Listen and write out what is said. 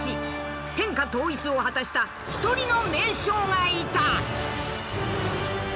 天下統一を果たした一人の名将がいた。